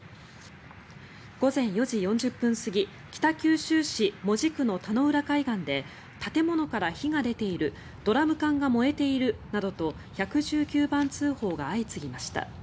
午前４時４０分過ぎ北九州市門司区の田野浦海岸で建物から火が出ているドラム缶が燃えているなどと１１９番通報が相次ぎました。